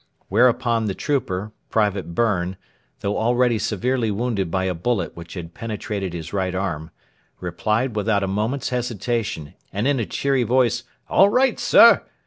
Whereupon the trooper, Private Byrne, although already severely wounded by a bullet which had penetrated his right arm, replied without a moment's hesitation and in a cheery voice, 'All right, sir!'